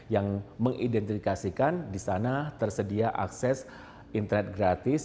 yang mengidentifikasikan di sana tersedia akses internet gratis